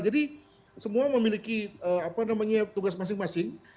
jadi semua memiliki tugas masing masing